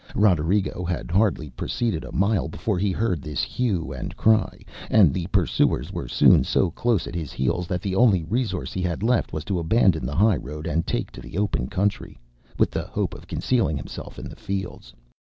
Roderigo had hardly proceeded a mile before he heard this hue and cry, and the pursuers were soon so close at his heels that the only resource he had left was to abandon the highroad and take to the open country, with the hope of concealing himself in the fields.